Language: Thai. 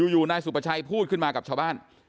อยู่นายศุภชัยพูดขึ้นมากับชาวบ้าน